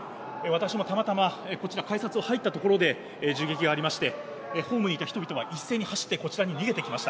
私もたまたま、こちら、改札を入ったところで銃撃がありまして、ホームにいた人々が一斉に走ってこちらに逃げてきました。